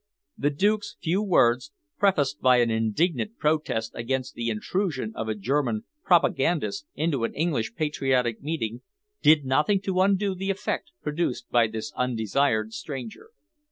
The Duke's few words, prefaced by an indignant protest against the intrusion of a German propagandist into an English patriotic meeting, did nothing to undo the effect produced by this undesired stranger.